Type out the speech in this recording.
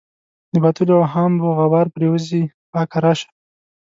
د باطلو اوهامو غبار پرېوځي پاکه راشه.